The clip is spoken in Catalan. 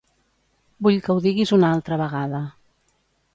Vull que ho diguis una altra vegada.